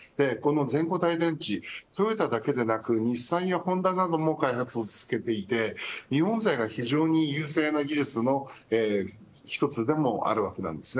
この全固体電池トヨタだけではなく、日産やホンダなども開発を続けていて日本勢が非常に優勢な技術の一つでもあります。